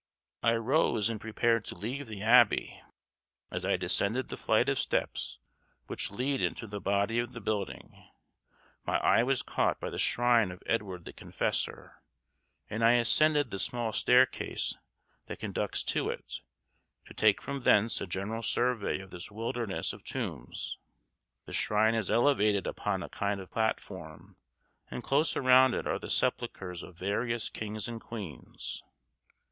I rose and prepared to leave the abbey. As I descended the flight of steps which lead into the body of the building, my eye was caught by the shrine of Edward the Confessor, and I ascended the small staircase that conducts to it, to take from thence a general survey of this wilderness of tombs. The shrine is elevated upon a kind of platform, and close around it are the sepulchres of various kings and queens.